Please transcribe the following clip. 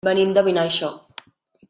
Venim de Vinaixa.